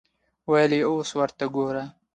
ویل یې اوس ورته ګوره.